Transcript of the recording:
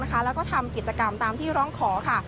แล้วก็ทำกิจกรรมตามที่ร้องขอค่ะ